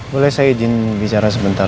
mulai saya izin bicara sebentar